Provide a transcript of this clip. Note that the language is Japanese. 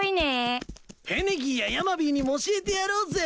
フェネギーやヤマビーにも教えてやろうぜ！